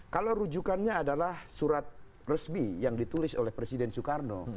kalau rujukannya adalah surat resmi yang ditulis oleh presiden soekarno